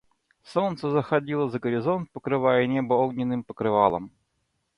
Солнце заходило за горизонт, покрывая небо огненным покрывалом.